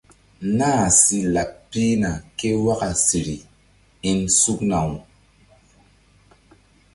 Nah si laɓ pihna ke waka siri-in sukna-aw.